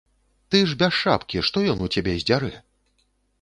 Ты ж без шапкі, што ён у цябе здзярэ?